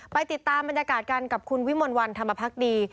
ไปติดตามบรรยากาศกันกับคุณวิมลวันธรรมพักดี